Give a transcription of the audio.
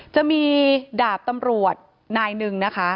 จะมีดาบตำรวจนายหนึ่งนะคะ